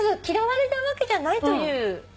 嫌われたわけじゃないという。